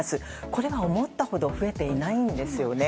これが思ったほど増えていないんですよね。